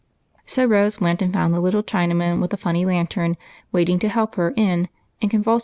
So Rose went and found the little Chinaman with a funny lantern waiting to help her in and convulse ROSE'S SACRIFICE.